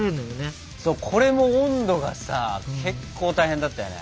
これも温度がさ結構大変だったよね。